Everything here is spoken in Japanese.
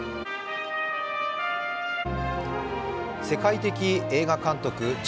世界的映画監督